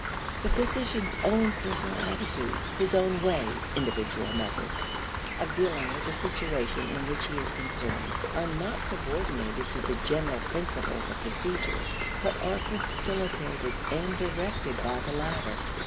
The physician's own personal attitudes, his own ways (individual methods) of dealing with the situation in which he is concerned, are not subordinated to the general principles of procedure, but are facilitated and directed by the latter.